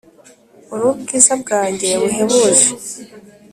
uri ubwiza bwanjye buhebuje,